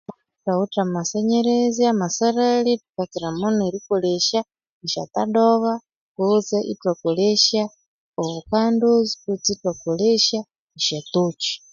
Bawithe amasenyerezi, a masalhali kitsiramunu erikolesya esyatodoba kutse i thwakolesya obukando kutse ithwakolesya esyatokyi